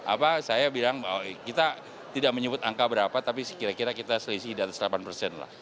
apa saya bilang kita tidak menyebut angka berapa tapi kira kira kita selisih di atas delapan persen lah